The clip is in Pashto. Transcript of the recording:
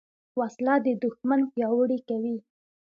وسله د دوښمن پیاوړي کوي